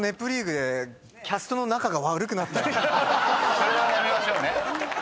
・それはやめましょうね。